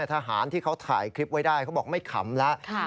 ทหารที่เขาถ่ายคลิปไว้ได้เขาบอกไม่ขำแล้ว